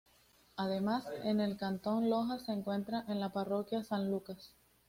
Además, en el Cantón Loja se encuentra en la parroquia San Lucas.